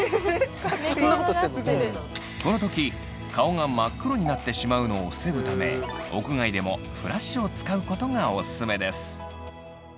この時顔が真っ黒になってしまうのを防ぐため屋外でもフラッシュを使うことがオススメです。